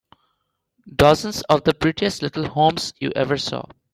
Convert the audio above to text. Dozens of the prettiest little homes you ever saw.